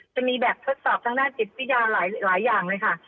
จะมีแบบทดสอบทางด้านจิตวิทยาหลายอย่างเลยค่ะ